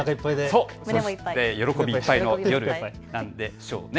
そして喜びいっぱいの夜なんでしょうね。